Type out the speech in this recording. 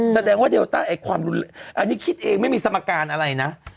แสดงว่าเดลต้าอันนี้คิดเองไม่มีสมการอะไรนะ